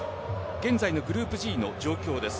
現在のグループＧの状況です。